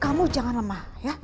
kamu jangan lemah ya